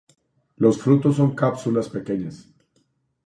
Los frutos son cápsulas pequeñas.